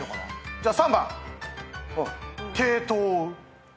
じゃあ３番。